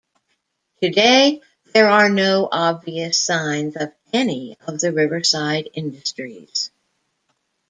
Today there are no obvious signs of any of the riverside industries.